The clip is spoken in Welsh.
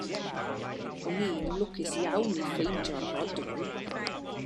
O'n i'n lwcus iawn i ffeindio'r fodrwy.